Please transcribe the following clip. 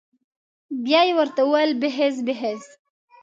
بيا یې ورته وويل بخېز بخېز.